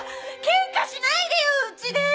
ケンカしないでようちで。